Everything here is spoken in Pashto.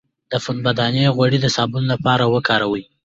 د پنبې دانه غوړي د صابون لپاره وکاروئ